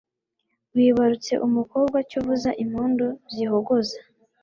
wibarutse umukobwa cyo vuza impundu z'ihogoza